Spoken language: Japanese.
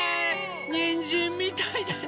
にんじんみたいだね！